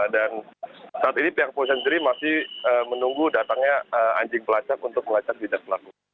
dan saat ini pihak kepolisian sendiri masih menunggu datangnya anjing pelacak untuk melacak bidang pelaku